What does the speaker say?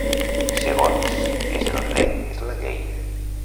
Segons és el rei és la llei.